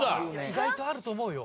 意外とあると思うよ。